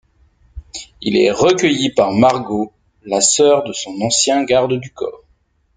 Il est recueilli par Margot, la sœur de son ancien garde du corps.